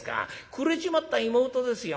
くれちまった妹ですよ。